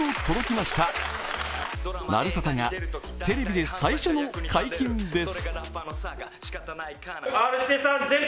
「まるサタ」がテレビで最初の解禁です。